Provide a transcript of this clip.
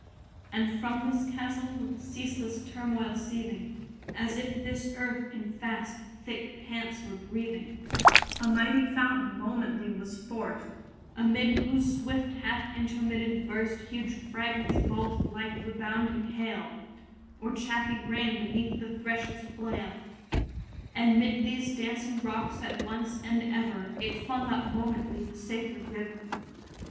And from this chasm, with ceaseless turmoil seething, As if this earth in fast thick pants were breathing, A mighty fountain momently was forced; Amid whose swift half intermitted burst 20 Huge fragments vaulted like rebounding hail, Or chaffy grain beneath the thresher's flail: And 'mid these dancing rocks at once and ever It flung up momently the sacred river.